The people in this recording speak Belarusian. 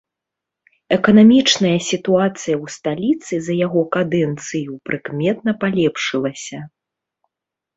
Эканамічная сітуацыя ў сталіцы за яго кадэнцыю прыкметна палепшылася.